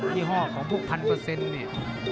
พี่ห้อของพวก๑๐๐๐นี่